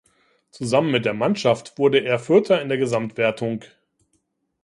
Zusammen mit der Mannschaft wurde er Vierter in der Gesamtwertung.